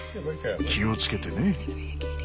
気を付けてね。